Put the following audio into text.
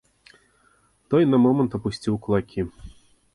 Той на момант апусціў кулакі.